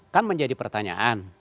kan menjadi pertanyaan